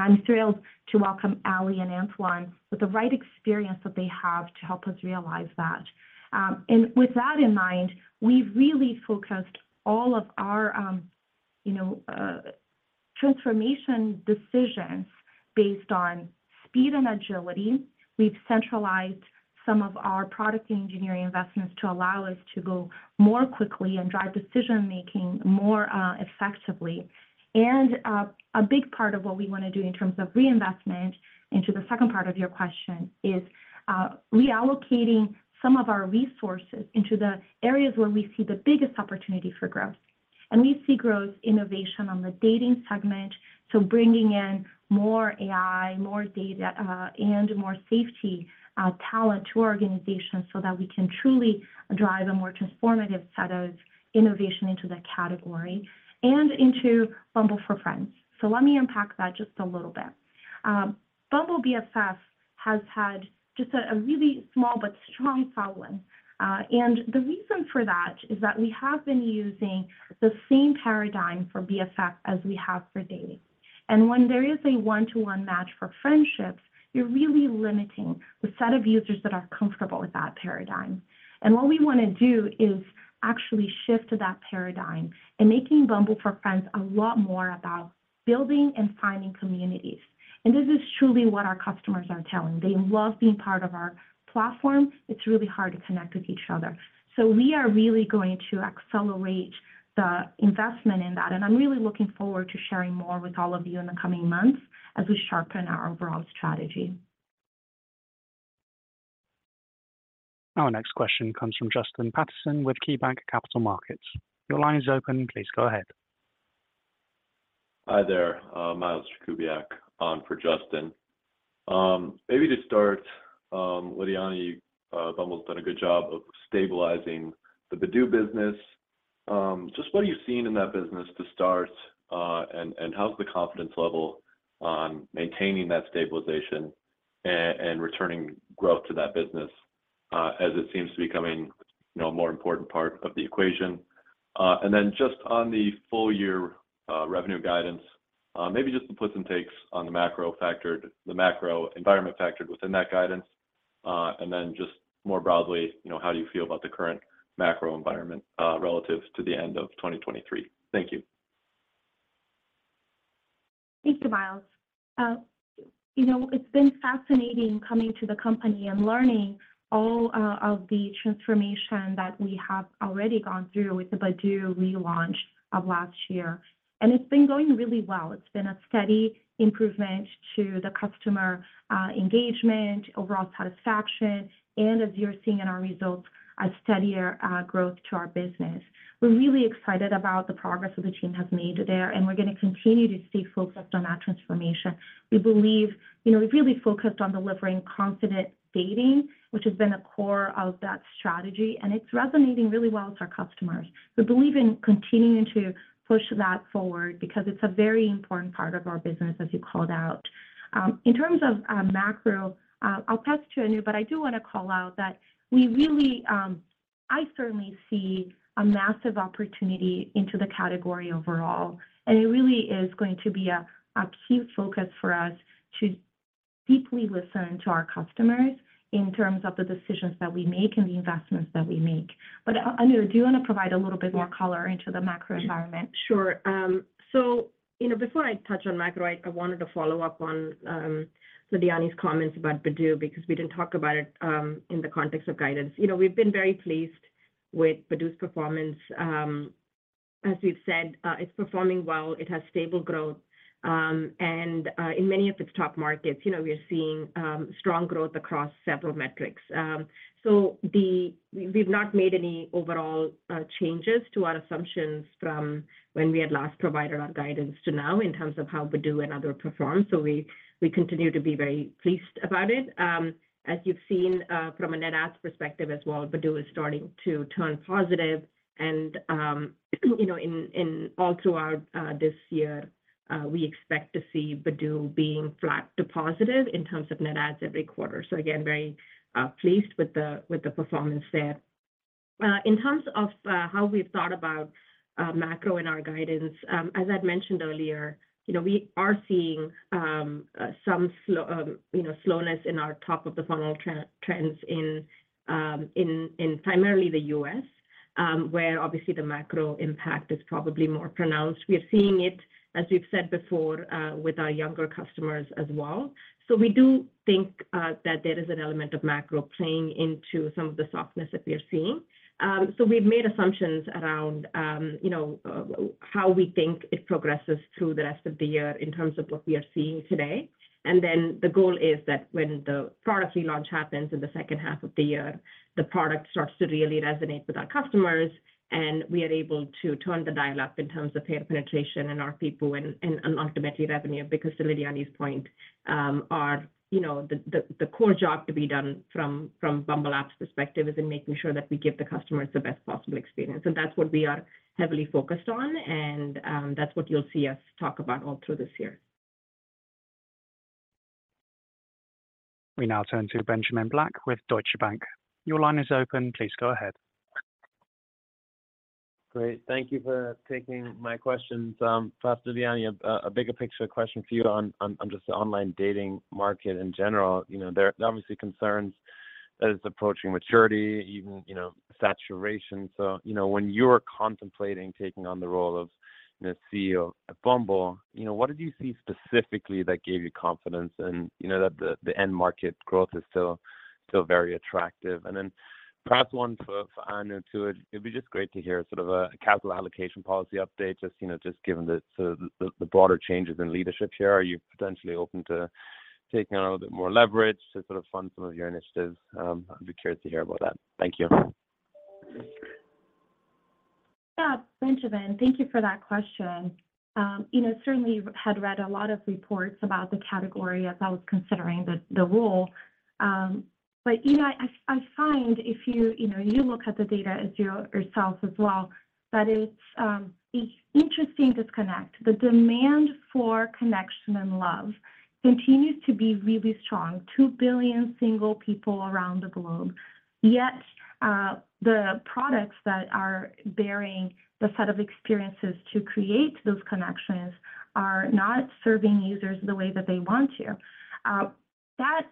I'm thrilled to welcome Ali and Antoine with the right experience that they have to help us realize that. With that in mind, we've really focused all of our transformation decisions based on speed and agility. We've centralized some of our product and engineering investments to allow us to go more quickly and drive decision-making more effectively. A big part of what we want to do in terms of reinvestment into the second part of your question is reallocating some of our resources into the areas where we see the biggest opportunity for growth. We see growth innovation on the dating segment, so bringing in more AI, more data, and more safety talent to our organization so that we can truly drive a more transformative set of innovation into that category and into Bumble For Friends. So let me unpack that just a little bit. Bumble BFF has had just a really small but strong following. The reason for that is that we have been using the same paradigm for BFF as we have for dating. When there is a one-to-one match for friendships, you're really limiting the set of users that are comfortable with that paradigm. What we want to do is actually shift to that paradigm and making Bumble For Friends a lot more about building and finding communities. This is truly what our customers are telling. They love being part of our platform. It's really hard to connect with each other. So we are really going to accelerate the investment in that. I'm really looking forward to sharing more with all of you in the coming months as we sharpen our overall strategy. Our next question comes from Justin Patterson with KeyBank Capital Markets. Your line is open. Please go ahead. Hi there. Miles Jakubiak on for Justin. Maybe to start, Lidiane, Bumble's done a good job of stabilizing the Badoo business. Just what are you seeing in that business to start, and how's the confidence level on maintaining that stabilization and returning growth to that business as it seems to be coming a more important part of the equation? And then just on the full-year revenue guidance, maybe just the puts and takes on the macro environment factored within that guidance. And then just more broadly, how do you feel about the current macro environment relative to the end of 2023? Thank you. Thank you, Miles. It's been fascinating coming to the company and learning all of the transformation that we have already gone through with the Badoo relaunch of last year. It's been going really well. It's been a steady improvement to the customer engagement, overall satisfaction, and as you're seeing in our results, a steadier growth to our business. We're really excited about the progress that the team has made there. We're going to continue to see focused on that transformation. We believe we've really focused on delivering confident dating, which has been the core of that strategy. It's resonating really well with our customers. We believe in continuing to push that forward because it's a very important part of our business, as you called out. In terms of macro, I'll pass it to Anu, but I do want to call out that I certainly see a massive opportunity into the category overall. And it really is going to be a key focus for us to deeply listen to our customers in terms of the decisions that we make and the investments that we make. But Anu, do you want to provide a little bit more color into the macro environment? Sure. So before I touch on macro, I wanted to follow up on Lidiane's comments about Badoo because we didn't talk about it in the context of guidance. We've been very pleased with Badoo's performance. As we've said, it's performing well. It has stable growth. And in many of its top markets, we're seeing strong growth across several metrics. So we've not made any overall changes to our assumptions from when we had last provided our guidance to now in terms of how Badoo and other perform. So we continue to be very pleased about it. As you've seen from a net adds perspective as well, Badoo is starting to turn positive. And all throughout this year, we expect to see Badoo being flat to positive in terms of net adds every quarter. So again, very pleased with the performance there. In terms of how we've thought about macro in our guidance, as I'd mentioned earlier, we are seeing some slowness in our top-of-the-funnel trends in primarily the US, where obviously the macro impact is probably more pronounced. We are seeing it, as we've said before, with our younger customers as well. So we do think that there is an element of macro playing into some of the softness that we are seeing. So we've made assumptions around how we think it progresses through the rest of the year in terms of what we are seeing today. And then the goal is that when the product relaunch happens in the second half of the year, the product starts to really resonate with our customers. We are able to turn the dial up in terms of payer penetration and our people and ultimately revenue because, to Lidiane's point, the core job to be done from Bumble App's perspective is in making sure that we give the customers the best possible experience. That's what we are heavily focused on. That's what you'll see us talk about all through this year. We now turn to Benjamin Black with Deutsche Bank. Your line is open. Please go ahead. Great. Thank you for taking my questions. Lidiane, a bigger picture question for you on just the online dating market in general. There are obviously concerns that it's approaching maturity, even saturation. So when you were contemplating taking on the role of CEO at Bumble, what did you see specifically that gave you confidence and that the end market growth is still very attractive? And then perhaps one for Anu too. It'd be just great to hear sort of a capital allocation policy update just given the broader changes in leadership here. Are you potentially open to taking on a little bit more leverage to sort of fund some of your initiatives? I'd be curious to hear about that. Thank you. Yeah, Benjamin, thank you for that question. Certainly, I had read a lot of reports about the category as I was considering the role. But I find if you look at the data yourself as well, that it's an interesting disconnect. The demand for connection and love continues to be really strong: 2 billion single people around the globe. Yet the products that are bearing the set of experiences to create those connections are not serving users the way that they want to. That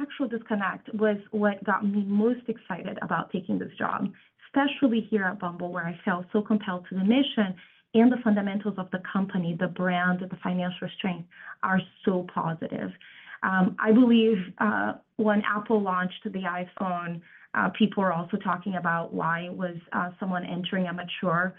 actual disconnect was what got me most excited about taking this job, especially here at Bumble, where I felt so compelled to the mission. And the fundamentals of the company, the brand, and the financial strength are so positive. I believe when Apple launched the iPhone, people were also talking about why it was someone entering a mature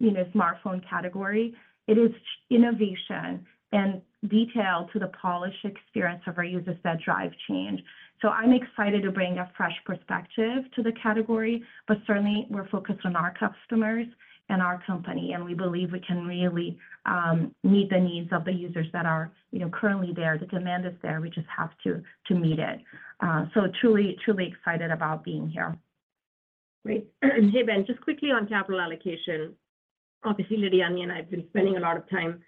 smartphone category. It is innovation and detail to the polished experience of our users that drive change. So I'm excited to bring a fresh perspective to the category. But certainly, we're focused on our customers and our company. And we believe we can really meet the needs of the users that are currently there. The demand is there. We just have to meet it. So truly, truly excited about being here. Great. And hey, Ben, just quickly on capital allocation. Obviously, Lidiane and I have been spending a lot of time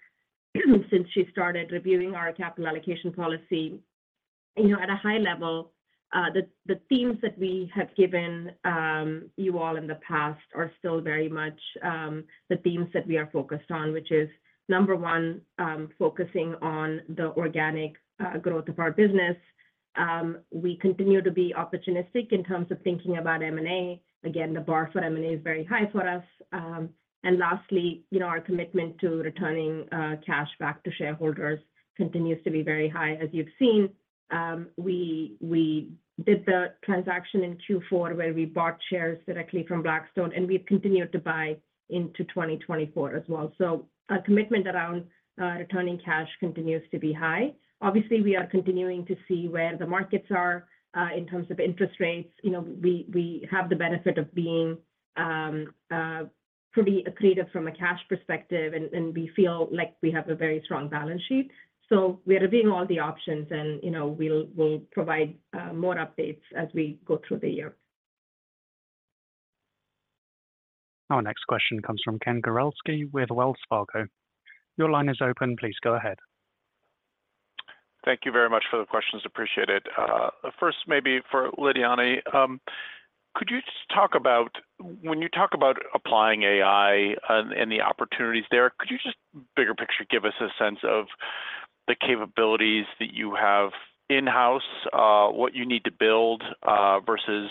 since she started reviewing our capital allocation policy. At a high level, the themes that we have given you all in the past are still very much the themes that we are focused on, which is, number one, focusing on the organic growth of our business. We continue to be opportunistic in terms of thinking about M&A. Again, the bar for M&A is very high for us. And lastly, our commitment to returning cash back to shareholders continues to be very high, as you've seen. We did the transaction in Q4 where we bought shares directly from Blackstone, and we've continued to buy into 2024 as well. So our commitment around returning cash continues to be high. Obviously, we are continuing to see where the markets are in terms of interest rates. We have the benefit of being pretty accretive from a cash perspective, and we feel like we have a very strong balance sheet. We are reviewing all the options, and we'll provide more updates as we go through the year. Our next question comes from Ken Gawrelski with Wells Fargo. Your line is open. Please go ahead. Thank you very much for the questions. Appreciate it. First, maybe for Lidiane, could you just talk about when you talk about applying AI and the opportunities there, could you just, bigger picture, give us a sense of the capabilities that you have in-house, what you need to build versus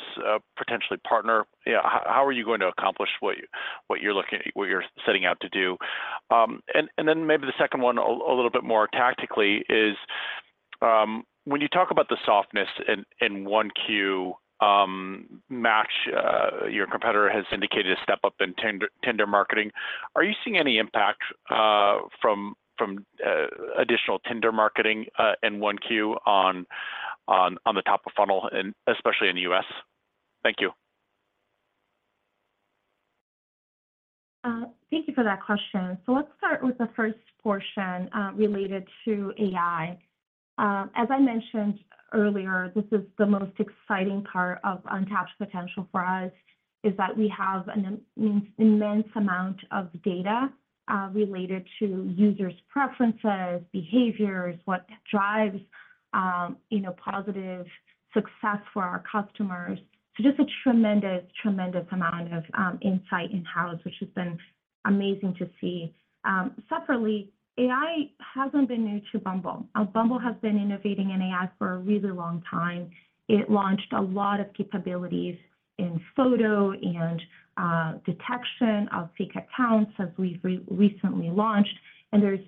potentially partner? How are you going to accomplish what you're looking at, what you're setting out to do? And then maybe the second one, a little bit more tactically, is when you talk about the softness in 1Q, your competitor has indicated a step up in Tinder marketing. Are you seeing any impact from additional Tinder marketing in 1Q on the top of funnel, especially in the US.? Thank you. Thank you for that question. Let's start with the first portion related to AI. As I mentioned earlier, this is the most exciting part of untapped potential for us, is that we have an immense amount of data related to users' preferences, behaviors, what drives positive success for our customers. Just a tremendous, tremendous amount of insight in-house, which has been amazing to see. Separately, AI hasn't been new to Bumble. Bumble has been innovating in AI for a really long time. It launched a lot of capabilities in photo and detection of fake accounts as we've recently launched. There's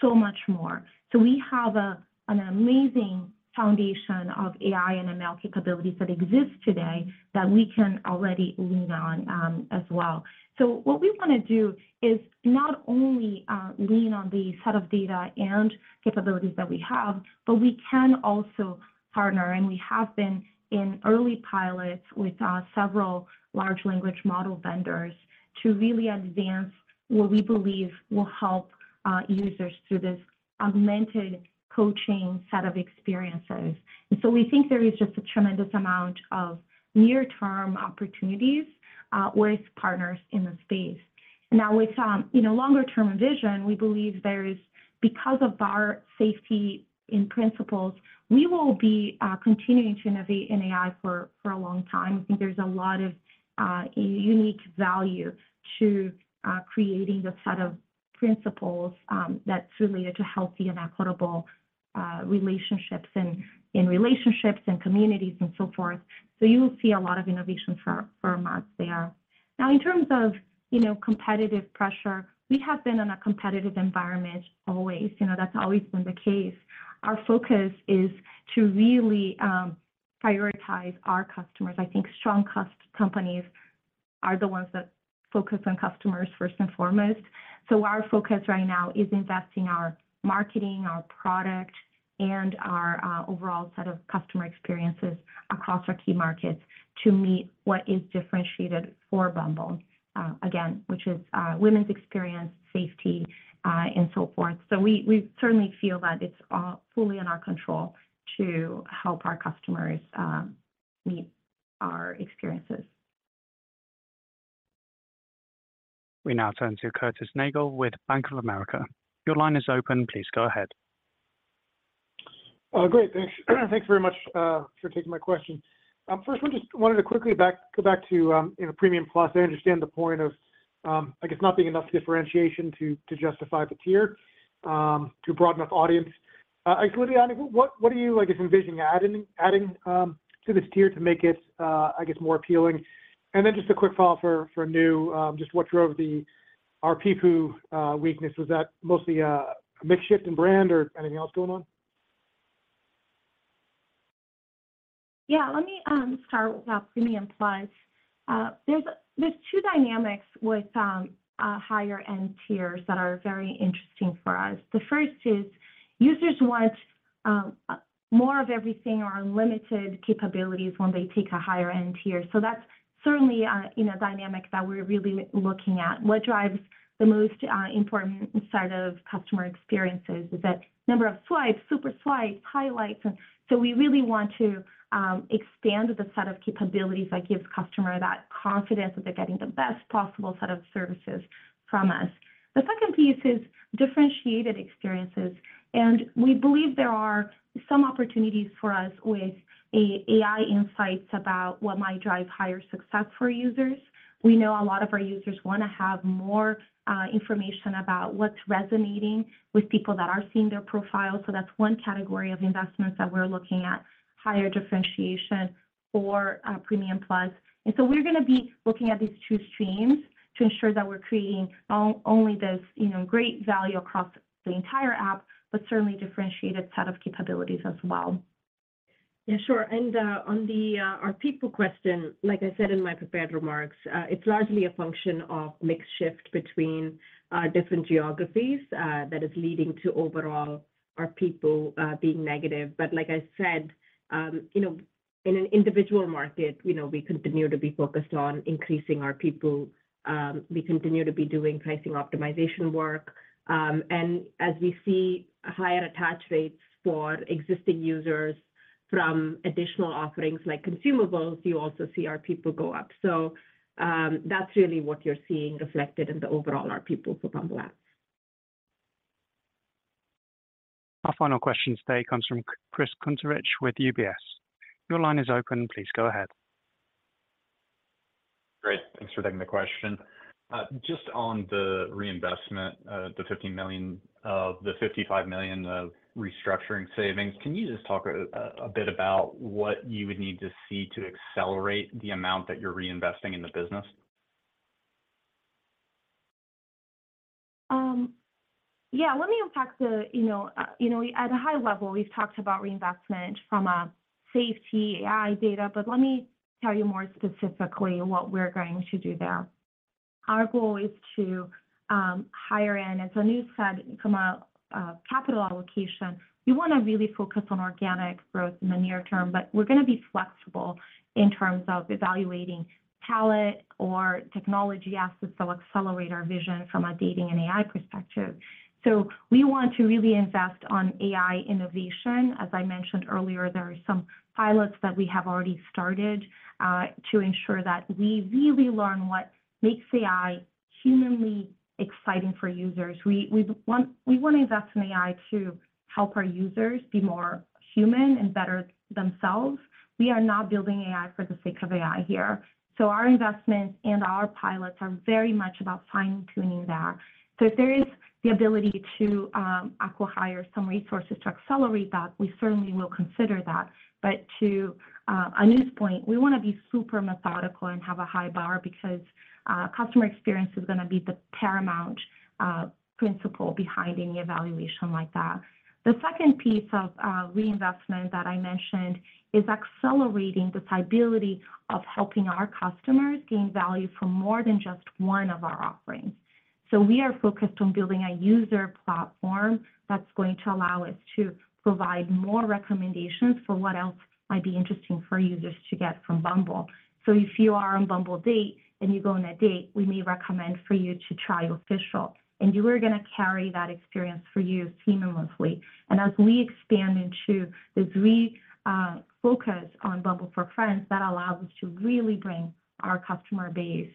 so much more. We have an amazing foundation of AI and ML capabilities that exist today that we can already lean on as well. So what we want to do is not only lean on the set of data and capabilities that we have, but we can also partner. We have been in early pilots with several large language model vendors to really advance what we believe will help users through this augmented coaching set of experiences. We think there is just a tremendous amount of near-term opportunities with partners in the space. Now, with longer-term vision, we believe there is, because of our safety in principles, we will be continuing to innovate in AI for a long time. I think there's a lot of unique value to creating the set of principles that's related to healthy and equitable relationships and communities and so forth. You will see a lot of innovation for months there. Now, in terms of competitive pressure, we have been in a competitive environment always. That's always been the case. Our focus is to really prioritize our customers. I think strong companies are the ones that focus on customers first and foremost. So our focus right now is investing our marketing, our product, and our overall set of customer experiences across our key markets to meet what is differentiated for Bumble, again, which is women's experience, safety, and so forth. So we certainly feel that it's fully in our control to help our customers meet our experiences. We now turn to Curtis Nagle with Bank of America. Your line is open. Please go ahead. Great. Thanks very much for taking my question. First, I just wanted to uickly go back to Premium Plus. I understand the point of, I guess, not being enough differentiation to justify the tier, to a broad enough audience. I guess, Lidiane, what are you, I guess, envisioning adding to this tier to make it, I guess, more appealing? And then just a quick follow-up for Anu, just what drove our ARPU weakness? Was that mostly a mix-shift in brand or anything else going on? Yeah. Let me start with Premium Plus. There's two dynamics with higher-end tiers that are very interesting for us. The first is users want more of everything or unlimited capabilities when they take a higher-end tier. So that's certainly a dynamic that we're really looking at. What drives the most important side of customer experiences is that number of swipes, SuperSwipes, highlights. And so we really want to expand the set of capabilities that gives customers that confidence that they're getting the best possible set of services from us. The second piece is differentiated experiences. And we believe there are some opportunities for us with AI insights about what might drive higher success for users. We know a lot of our users want to have more information about what's resonating with people that are seeing their profile. That's one category of investments that we're looking at: higher differentiation for Premium Plus. We're going to be looking at these two streams to ensure that we're creating not only this great value across the entire app, but certainly differentiated set of capabilities as well. Yeah, sure. And on our people question, like I said in my prepared remarks, it's largely a function of mix-shift between different geographies that is leading to overall our people being negative. But like I said, in an individual market, we continue to be focused on increasing our people. We continue to be doing pricing optimization work. And as we see higher attach rates for existing users from additional offerings like consumables, you also see our people go up. So that's really what you're seeing reflected in the overall our people for Bumble Apps. Our final question today comes from Chris Kuntarich with UBS. Your line is open. Please go ahead. Great. Thanks for taking the question. Just on the reinvestment, the $55 million of restructuring savings, can you just talk a bit about what you would need to see to accelerate the amount that you're reinvesting in the business? Yeah. Let me unpack that at a high level. We've talked about reinvestment from safety, AI data. But let me tell you more specifically what we're going to do there. Our goal is to hire in. As Anu said, from a capital allocation, you want to really focus on organic growth in the near term. But we're going to be flexible in terms of evaluating talent or technology assets to accelerate our vision from a dating and AI perspective. So we want to really invest on AI innovation. As I mentioned earlier, there are some pilots that we have already started to ensure that we really learn what makes AI humanly exciting for users. We want to invest in AI to help our users be more human and better themselves. We are not building AI for the sake of AI here. So our investments and our pilots are very much about fine-tuning that. So if there is the ability to acquire some resources to accelerate that, we certainly will consider that. But to Anu's point, we want to be super methodical and have a high bar because customer experience is going to be the paramount principle behind any evaluation like that. The second piece of reinvestment that I mentioned is accelerating this ability of helping our customers gain value from more than just one of our offerings. So we are focused on building a user platform that's going to allow us to provide more recommendations for what else might be interesting for users to get from Bumble. So if you are on Bumble Date and you go on a date, we may recommend for you to try Official. And you are going to carry that experience for you seamlessly. As we expand into this focus on Bumble For Friends, that allows us to really bring our customer base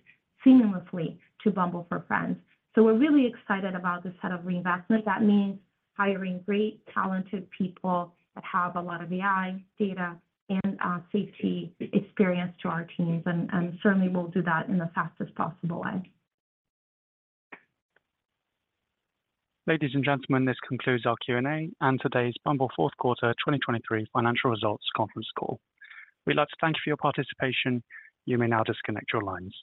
seamlessly to Bumble For Friends. We're really excited about this set of reinvestment. That means hiring great, talented people that have a lot of AI, data, and safety experience to our teams. Certainly, we'll do that in the fastest possible way. Ladies and gentlemen, this concludes our Q&A and today's Bumble Fourth Quarter 2023 Financial Results Conference Call. We'd like to thank you for your participation. You may now disconnect your lines.